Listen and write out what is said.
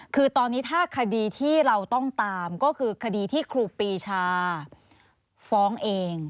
คือตอนนี้ถ้าคดีที่เราต้องตามก็คือคดีที่ครูปีชาฟ้องเอง